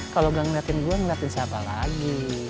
kalau bilang ngeliatin gue ngeliatin siapa lagi